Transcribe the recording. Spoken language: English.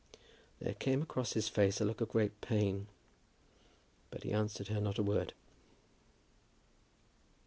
There came across his face a look of great pain, but he answered her not a word.